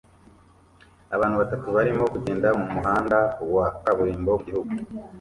Abantu batatu barimo kugenda mumuhanda wa kaburimbo mugihugu